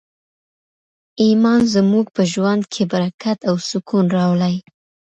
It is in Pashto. ایمان زموږ په ژوند کي برکت او سکون راولي.